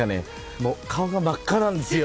もう顔が真っ赤なんですよ。